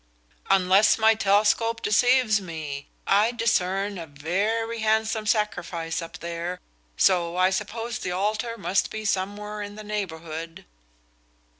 "Unless my telescope deceives me, I discern a very handsome sacrifice up there, so I suppose the altar must be somewhere in the neighborhood."